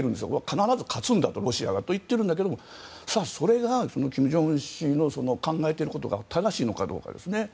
必ずロシアが勝つんだとそう言ってるんだけれどもそれが金正恩氏の考えていることが正しいのかどうかですね。